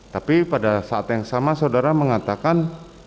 tapi pada saat yang sama saudara mengatakan